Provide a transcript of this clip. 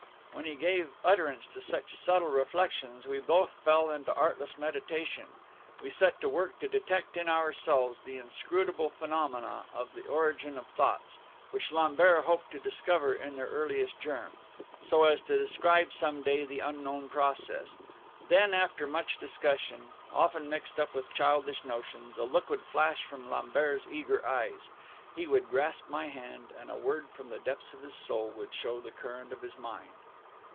When he gave utterance to such subtle reflections, we both fell into artless meditation; we set to work to detect in ourselves the inscrutable phenomena of the origin of thoughts, which Lambert hoped to discover in their earliest germ, so as to describe some day the unknown process. Then, after much discussion, often mixed up with childish notions, a look would flash from Lambert's eager eyes; he would grasp my hand, and a word from the depths of his soul would show the current of his mind.